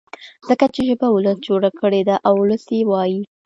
ځکه چي ژبه ولس جوړه کړې ده او ولس يې وايي.